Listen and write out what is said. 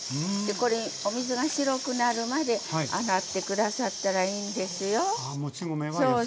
これお水が白くなるまで洗って下さったらいいんですよ。